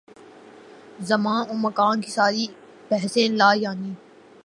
زمان و مکان کی ساری بحثیں لا یعنی۔